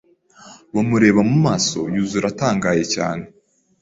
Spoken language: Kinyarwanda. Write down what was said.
Bamureba mumaso Yuzura atangaye cyane